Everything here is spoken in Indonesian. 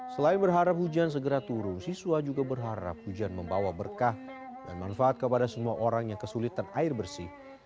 selain berharap hujan segera turun siswa juga berharap hujan membawa berkah dan manfaat kepada semua orang yang kesulitan air bersih